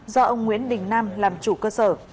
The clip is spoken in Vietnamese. do ông nguyễn đình nam làm chủ cơ sở